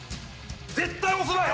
絶対押すなよ！